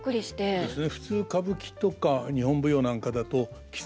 そうですね。